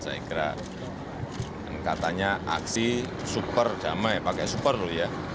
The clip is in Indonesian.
saya kira katanya aksi super damai pakai super loh ya